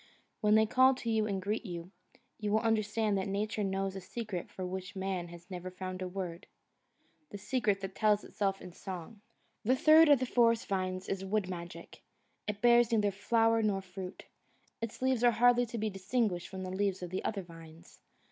When they call to you and greet you, you will understand that Nature knows a secret for which man has never found a word the secret that tells itself in song. The third of the forest vines is Wood Magic. It bears neither flower nor fruit. Its leaves are hardly to be distinguished from the leaves of the other vines.